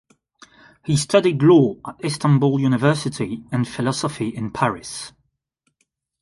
He studied law at Istanbul University and philosophy in Paris.